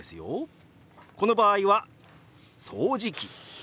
この場合は掃除機。